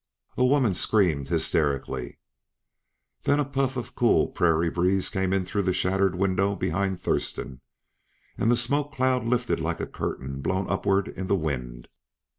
A woman screamed hysterically. Then a puff of cool, prairie breeze came in through the shattered window behind Thurston, and the smoke cloud lifted like a curtain blown upward in the wind.